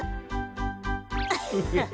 アハハハ。